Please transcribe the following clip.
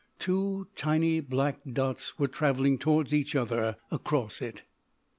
Two tiny black spots were travelling towards each other across it.